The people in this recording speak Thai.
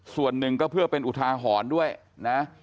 ส่วนหนึ่งก็เพื่อเป็นอุทาหรณ์ด้วยนะ